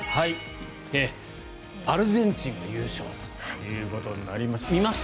アルゼンチンが優勝ということになりました。